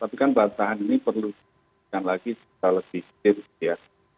tapi kan bantahan ini perlu diperlukan lagi secara distingtif ya